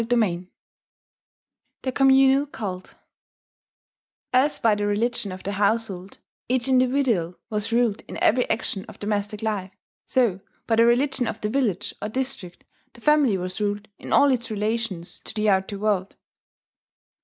THE COMMUNAL CULT As by the religion of the household each individual was ruled in every action of domestic life, so, by the religion of the village or district the family was ruled in all its relations to the outer world.